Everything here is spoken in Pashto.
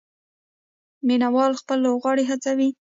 مینه وال خپل لوبغاړي هڅوي.